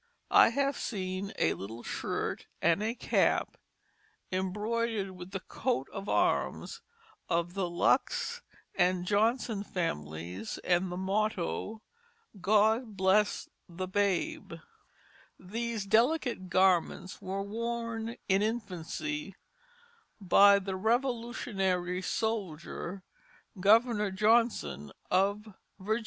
I have seen a little shirt and a cap embroidered with the coat of arms of the Lux and Johnson families and the motto, "God bless the Babe;" these delicate garments were worn in infancy by the Revolutionary soldier, Governor Johnson of Virginia.